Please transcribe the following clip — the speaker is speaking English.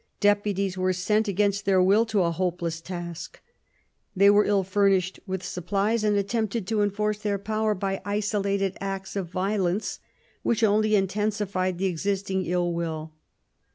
Deputies were sent against their will to a hopeless task. They were ill furnished with supplies, and attempted to enforce their power by isolated acts of violence, which only intensified the existing ill will.